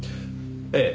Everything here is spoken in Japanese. ええ。